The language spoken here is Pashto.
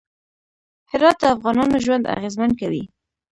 هرات د افغانانو ژوند اغېزمن کوي.